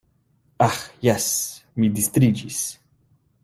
Aĥ jes, mi distriĝis.